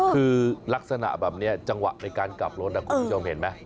คือลักษณะแบบนี้จังหวะในการกลับรถคุณผู้ชมเห็นไหม